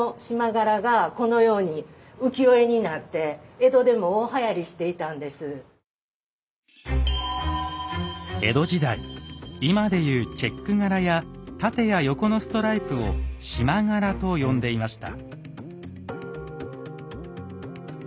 江戸時代今で言うチェック柄や縦や横のストライプを「縞柄」と呼んでいました。